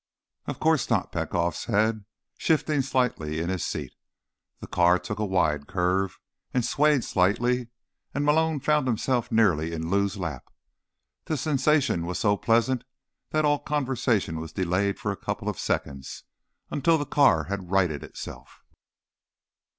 "Of course not," Petkoff said, shifting slightly in his seat. The car took a wide curve and swayed slightly, and Malone found himself nearly in Lou's lap. The sensation was so pleasant that all conversation was delayed for a couple of seconds, until the car had righted itself.